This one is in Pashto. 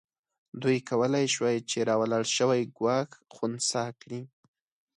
دوی کولای شوای چې راولاړ شوی ګواښ خنثی کړي.